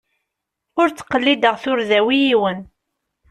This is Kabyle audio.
Ur ttqellideɣ turda-w i yiwen.